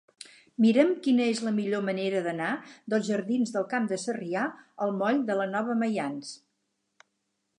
Mira'm quina és la millor manera d'anar dels jardins del Camp de Sarrià al moll de la Nova Maians.